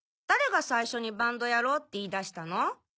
誰が最初にバンドやろうって言い出したの？